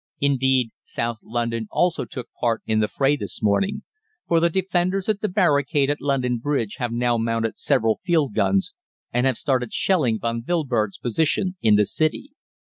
"Indeed, South London also took part in the fray this morning, for the Defenders at the barricade at London Bridge have now mounted several field guns, and have started shelling Von Wilberg's position in the City.